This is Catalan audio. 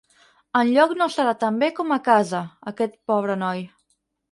Enlloc no estarà tan bé com a casa, aquest pobre noi.